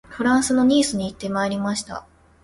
フランスのニースに行ってまいりました